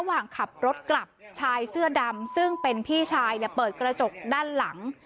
ขับรถกลับชายเสื้อดำซึ่งเป็นพี่ชายเปิดกระจกด้านหลัง